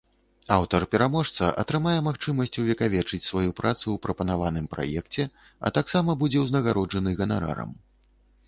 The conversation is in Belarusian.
Аўтар-пераможца атрымае магчымасць увекавечыць сваю працу ў прапанаваным праекце, а таксама будзе ўзнагароджаны ганарарам.